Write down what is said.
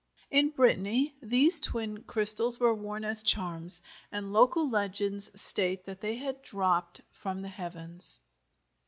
In Brittany these twin crystals were worn as charms, and local legends state that they had dropped from the heavens.